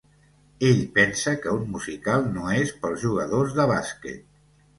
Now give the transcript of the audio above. Ell pensa que un musical no és pels jugadors de bàsquet.